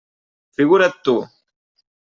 Figura't tu!